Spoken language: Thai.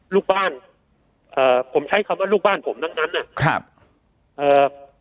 ลูกบ้านเอ่อผมใช้คำว่าลูกบ้านผมทั้งนั้นนะครับเอ่อ